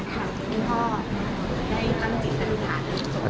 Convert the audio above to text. คุณพ่อในความติดทาน